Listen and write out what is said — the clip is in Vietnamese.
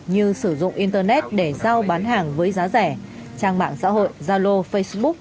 như sử dụng internet để giao bán hàng với giá rẻ trang mạng xã hội gia lô facebook